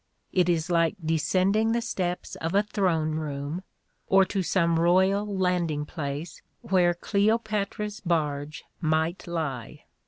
It is like descending the steps of a throne room, or to some royal landing place where Cleopatra's barge might lie.